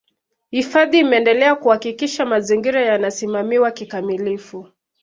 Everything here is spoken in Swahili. Hifadhi imeendelea kuhakikisha mazingira yanasimamiwa kikamilifu